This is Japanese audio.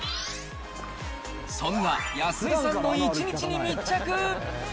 そんな安井さんの１日に密着。